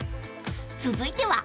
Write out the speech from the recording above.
［続いては］